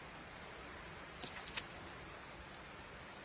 Ndi Rutayoberana mu nduru rwa Semwaga,